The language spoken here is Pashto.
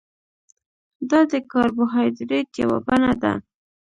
دا د کاربوهایډریټ یوه بڼه ده